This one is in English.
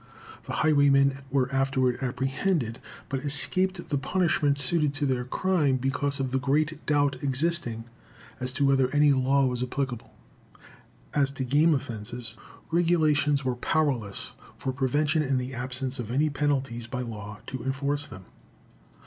The highwaymen were afterward apprehended, but escaped the punishment suited to their crime because of the great doubt existing as to whether any law was applicable. As to game offenses, regulations were powerless for prevention in the absence of any penalties by law to enforce them.